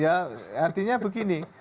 ya artinya begini